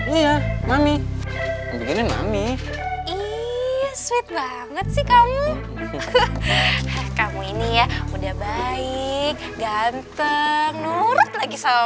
nih mami begini mami iya suit banget sih kamu kamu ini ya udah baik ganteng nurut lagi sama